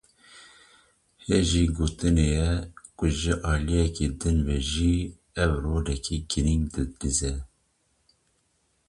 Hejî gotinê ye, ku ji aliyekî din ve jî , ew roleka girîng di lîze